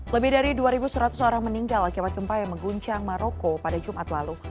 lebih dari dua seratus orang meninggal akibat gempa yang mengguncang maroko pada jumat lalu